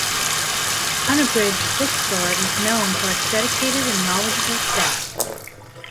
Unabridged Bookstore is known for its dedicated and knowledgeable staff.